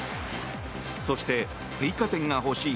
そして追加点が欲しい